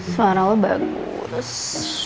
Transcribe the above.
suara lo bagus